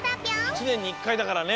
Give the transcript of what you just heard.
いちねんに１かいだからね。